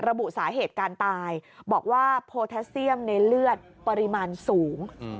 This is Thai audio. ระบุสาเหตุการตายบอกว่าโพแทสเซียมในเลือดปริมาณสูง